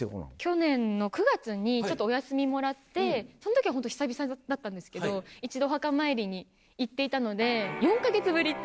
去年の９月にお休みもらってその時はホント久々だったんですけど一度お墓参りに行っていたので４か月ぶりっていう。